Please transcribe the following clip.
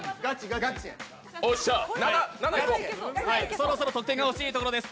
そろそろ得点がほしいところです。